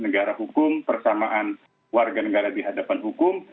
negara hukum persamaan warga negara di hadapan hukum